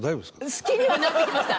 好きにはなってきました。